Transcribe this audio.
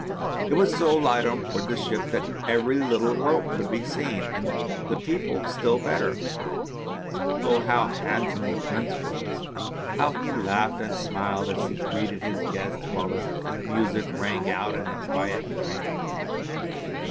It was so light on board the ship that every little rope could be seen, and the people still better. Oh ! how handsome the prince was, how he laughed and smiled as he greeted his guests, while the music rang out in the quiet night.